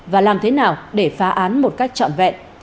và làm thế nào để phá án một cách trọn vẹn